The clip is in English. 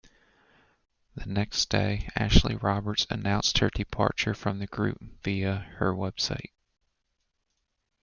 The next day, Ashley Roberts announced her departure from the group via her website.